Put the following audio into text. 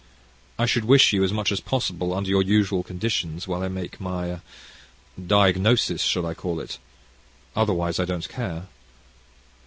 I should wish you, as much as possible, under your usual conditions while I make my diagnosis, shall I call it otherwise I don't care."